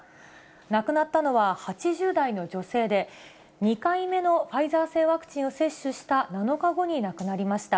亡くなったのは８０代の女性で、２回目のファイザー製ワクチンを接種した７日後に亡くなりました。